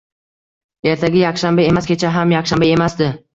Ertaga yakshanba emas, kecha ham yakshanba emasdi